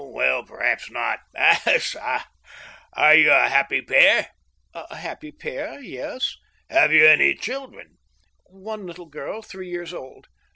" Well ! perhaps not. A/t / fa, are you a happy pair ?"" A happy pair, ... yes." *' Have you any children ?"" One little girl, three years old."